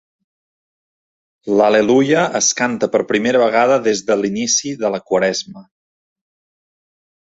L'Al·leluia es canta per primera vegada des de l'inici de la Quaresma.